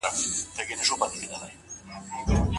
زده کړه د انسان ژوند بدلوي